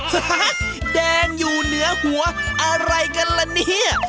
ฮะแดงอยู่เหนือหัวอะไรกันละเนี่ย